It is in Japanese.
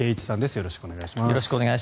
よろしくお願いします。